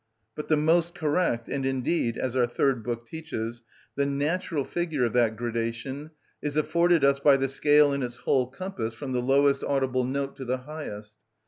But the most correct, and indeed, as our third book teaches, the natural figure of that gradation is afforded us by the scale in its whole compass from the lowest audible note to the highest.